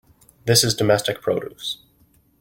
This is domestic produce.